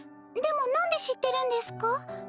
でもなんで知ってるんですか？